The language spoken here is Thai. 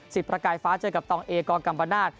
สิทธิ์ประกายฟ้าเจอกับตองเอกกรกัมประนาจ